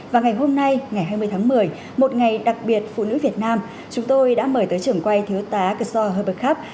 và ngày hôm nay ngày hai mươi tháng một mươi một ngày đặc biệt phụ nữ việt nam chúng tôi đã mời tới trưởng quay thứ tá cơ sò hợp bực khắp